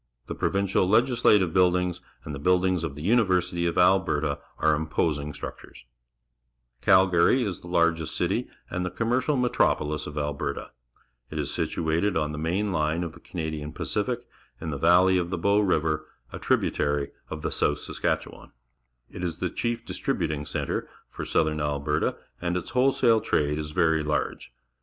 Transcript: The 114 PUBLIC SCHOOL GEOGRAPHY Provincial Legislative Buildings and the TDuirdTngs of the Universitj^ of Alberta are imposing structures. Calgary is the largest city and the com A Clay Manufacturing Plant, Medicine Hat, Alberta mercial metropolis of Alberta. It is situated on the main line of the Canadian Pacific, in the valley of the^^ ow Riv er, a tributary of the South Saskatchewan. It is the chief distri buting centre for southern Alberta, and its wholesale trade is verj large.